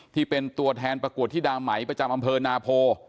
ที่เป็นตัวแทนประกวดธิดาไหมประจำอำเภอนาโพ